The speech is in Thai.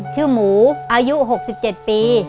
ชื่อหมูอายุ๖๗ปี